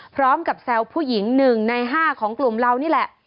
พร้อมกับแซวผู้หญิง๑ใน๕ของกลุ่มเหลานี่แหละ